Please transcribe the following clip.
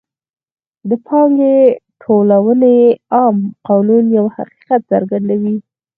د پانګې ټولونې عام قانون یو حقیقت څرګندوي